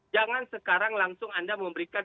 jangan sekarang langsung anda memberikan